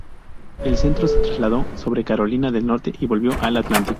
El centro se trasladó sobre Carolina del Norte y volvió al Atlántico.